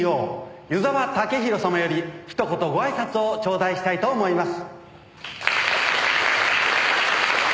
湯沢武大様よりひと言ご挨拶を頂戴したいと思います」